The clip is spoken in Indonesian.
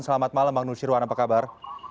selamat malam bang nusyirwan apa kabar